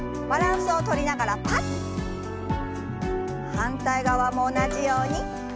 反対側も同じように。